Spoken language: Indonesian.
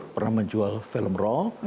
pernah menjual film raw